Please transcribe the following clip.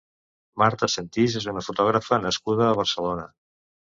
Marta Sentís és una fotògrafa nascuda a Barcelona.